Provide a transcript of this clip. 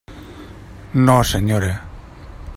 No, senyora.